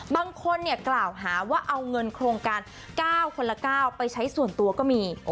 บางคนกล่าวหาว่าเอาเงินโครงการ๙คนละ๙ไปใช้ส่วนตัวก็มี